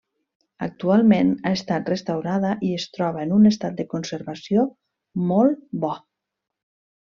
Actualment ha estat restaurada i es troba en un estat de conservació molt bo.